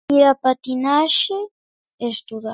Ir a patinaxe, estudar.